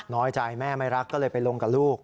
น้อยใจแม่ไม่รักก็เลยไปลงกับลูก